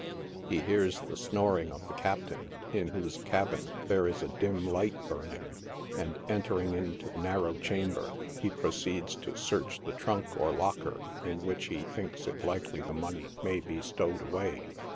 He hears the snoring of the c.iptam, in whose cabin there is a dim light burn ing, and, entering into the narrow chamber, he proceeds to search the trunk or locker in which he thinks it likely the money may be stowed away.